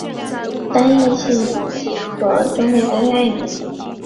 单应性是几何中的一个概念。